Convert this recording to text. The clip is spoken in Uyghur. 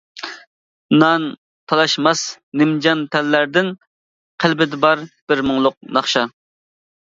نان تالاشماس نىمجان تەنلەردىن، قەلبىدە بار بىر مۇڭلۇق ناخشا.